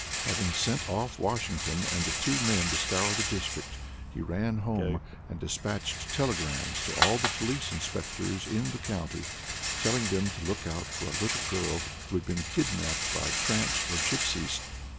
Having sent off Washington and the two men to scour the district, he ran home, and dispatched telegrams to all the police inspectors in the county, telling them to look out for a little girl who had been kidnapped by tramps or gipsies.